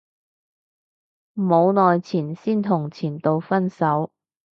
冇耐前先同前度分手